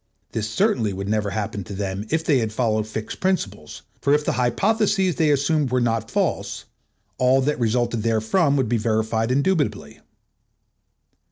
This certainly would never have happened to them if they had followed fixed principles; for if the hypotheses they assumed were not false, all that resulted therefrom would be verified indubitably.